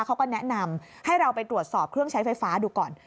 เขาก็แนะนำให้เราไปตรวจสอบเครื่องใช้ไฟฟ้าดูก่อน